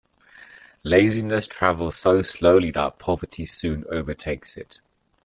Laziness travels so slowly that poverty soon overtakes it.